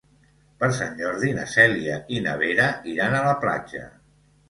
Per Sant Jordi na Cèlia i na Vera iran a la platja.